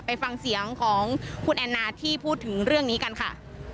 ไปฟังเสียงของคุณแอนนาที่พูดถึงเรื่องนี้กันค่ะ